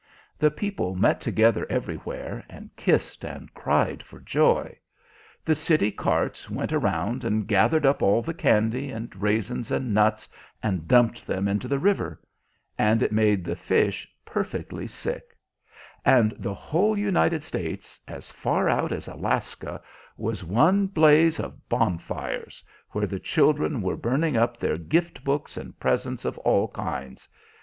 The people met together everywhere, and kissed and cried for joy. The city carts went around and gathered up all the candy and raisins and nuts, and dumped them into the river; and it made the fish perfectly sick; and the whole United States, as far out as Alaska, was one blaze of bonfires, where the children were burning up their gift books and presents of all kinds.